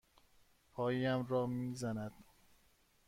پایم را می زند.